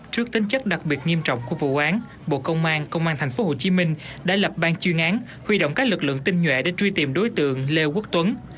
trước tính chất đặc biệt nghiêm trọng của vụ án bộ công an công an tp hcm đã lập ban chuyên án huy động các lực lượng tinh nhuệ để truy tìm đối tượng lê quốc tuấn